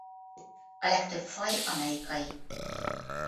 A legtöbb faj amerikai.